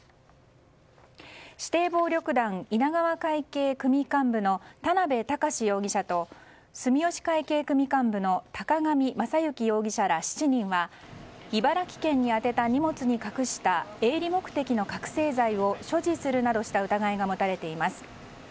指定暴力団稲川会系組幹部の田辺高士容疑者と住吉会系組幹部の高上雅之容疑者ら７人は茨城県に宛てた荷物に隠した営利目的の覚醒剤を所持するなどした疑いが持たれています。